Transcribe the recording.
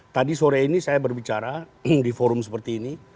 tadi sore ini saya berbicara di forum seperti ini